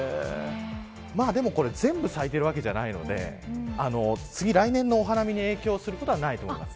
でも全部咲いているわけではないので次、来年のお花見に影響することはないと思います。